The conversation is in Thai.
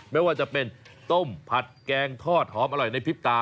ไม่ว่าจะเป็นต้มผัดแกงทอดหอมอร่อยในพริบตา